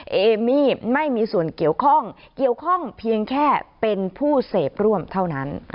เอมี่ไม่มีส่วนเกี่ยวข้องเกี่ยวข้องเพียงแค่เป็นผู้เสพร่วมเท่านั้น